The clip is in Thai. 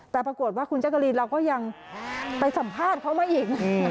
แต่ปรากฏว่าคุณจักรีนเราก็ยังไปสัมภาษณ์เขามาอีก